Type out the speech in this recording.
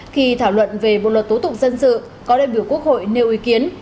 khi thảo luận về bộ luật tố tụng dân sự có đại biểu quốc hội nêu ý kiến